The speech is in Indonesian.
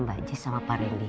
mbak jess sama pak rendi